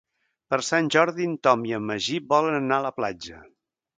Per Sant Jordi en Tom i en Magí volen anar a la platja.